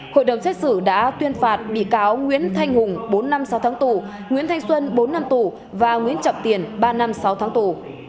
hội đồng xét xử đã tuyên phạt bị cáo nguyễn thanh hùng bốn năm sáu tháng tù nguyễn thanh xuân bốn năm tù và nguyễn trọng tiền ba năm sáu tháng tù